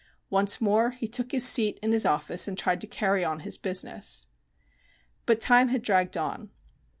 Once more he took his seat in his office and tried to carry on his business. But time had dragged on.